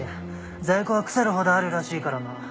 在庫は腐るほどあるらしいからな。